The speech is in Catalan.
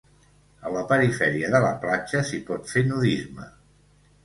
A la perifèria de la platja, s'hi pot fer nudisme.